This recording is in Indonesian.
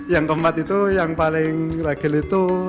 yang keempat itu yang paling ragil itu